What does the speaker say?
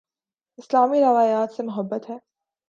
اسلامی روایات سے محبت ہے